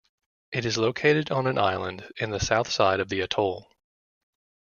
It is located on an island in the south side of the Atoll.